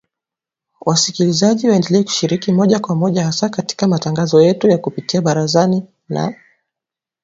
Wasikilizaji waendelea kushiriki moja kwa moja hasa katika matangazo yetu ya kupitia Barazani’ na